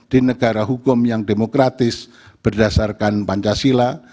di negara hukum yang demokratis berdasarkan pancasila